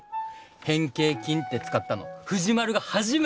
「変形菌」って使ったの藤丸が初めてなんだ！